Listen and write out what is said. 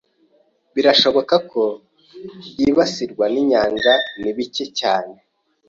Birashoboka ko byibasirwa ninyanja ni bike cyane.